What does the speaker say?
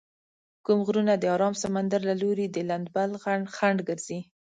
کوم غرونه د ارام سمندر له لوري د لندبل خنډ ګرځي؟